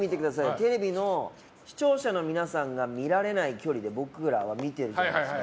テレビの視聴者の皆さんが見られない距離で僕らは見てるじゃないですか。